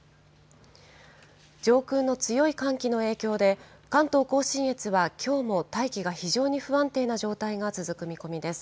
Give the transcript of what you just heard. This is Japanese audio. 上空の強い寒気の影響で、関東甲信越はきょうも大気が非常に不安定な状態が続く見込みです。